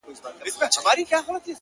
ستا تصوير خپله هينداره دى زما گراني .